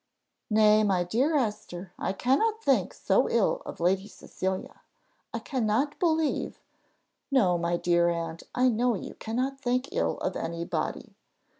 "Nay, my dear Esther, I cannot think so ill of Lady Cecilia; I cannot believe " "No, my dear aunt, I know you cannot think ill of any body.